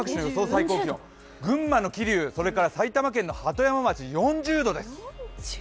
最高気温、群馬の桐生、それから埼玉県の鳩山町、４０度です。